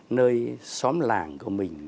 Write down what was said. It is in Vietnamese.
nơi xóm làng của mình